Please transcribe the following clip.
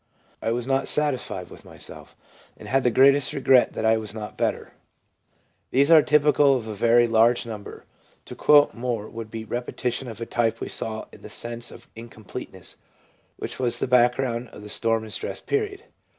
I was not satisfied with myself, and ADOLESCENCE— BIRTH OF A LARGER SELF 257 had the greatest regret that I was not better/ These are typical of a very large number ; to quote more would be repetition of a type we saw in the ' sense of incompleteness/ which was the background of the storm and stress period.